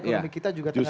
ekonomi kita juga terbatas